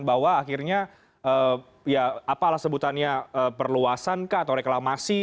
bahwa akhirnya ya apalah sebutannya perluasan kawasan rekreasi